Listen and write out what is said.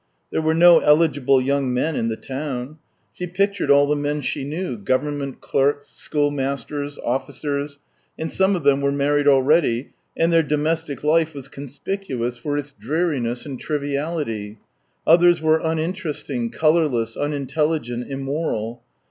There were no eligible young men in the town. She pictured all the men she knew — government clerks, schoolmasters, officers, and some of them were married already, and their domestic life was conspicuous for its dreariness and triviality ; others were uninteresting, colourless, unintelligent immoral.